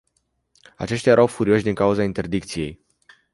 Aceștia erau furioși din cauza interdicției.